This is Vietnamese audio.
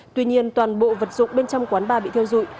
tuy nhiên toàn bộ vật dụng bên trong quán ba bị theo dụi